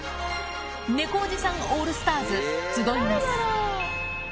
猫おじさんオールスターズ、集います。